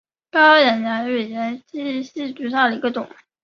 高梁蚜为常蚜科色蚜属下的一个种。